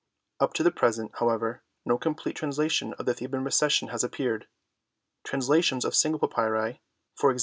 Up to the present, however, no complete trans lation of the Theban Recension has appeared. Trans lations of single papyri, e.g.